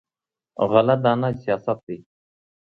غله دانه سیاست دی.